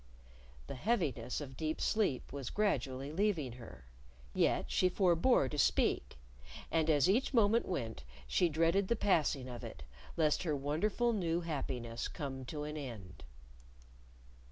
The heaviness of deep sleep was gradually leaving her. Yet she forbore to speak; and as each moment went she dreaded the passing of it, lest her wonderful new happiness come to an end.